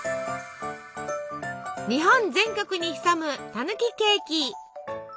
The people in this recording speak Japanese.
日本全国に潜むたぬきケーキ。